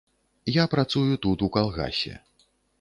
Я працую тут у калгасе.